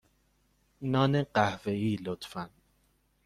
نان قهوه ای، لطفا.